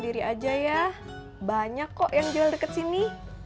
diri aja ya banyak kok yang jual dekat sini